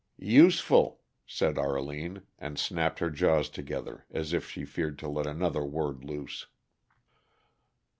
"Useful," said Arline, and snapped her jaws together as if she feared to let another word loose.